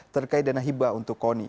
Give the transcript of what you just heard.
terkait dana hibah untuk koni